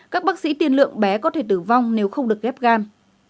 các bác sĩ tiên lượng bé có thể tử vong nếu không được ghép gan